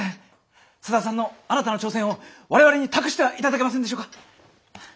佐田さんの新たな挑戦を我々に託してはいただけませんでしょうか？